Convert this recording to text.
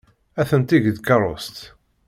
Atenti deg tkeṛṛust.